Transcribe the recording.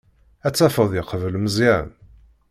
Ad tafeḍ yeqbel Meẓyan.